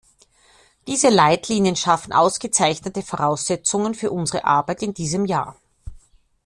Diese Leitlinien schaffen ausgezeichnete Voraussetzungen für unsere Arbeit in diesem Jahr.